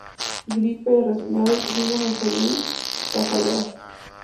Gripe, resfriados, síndrome febril, cefaleas.